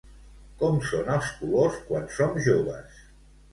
Com són els colors quan som joves?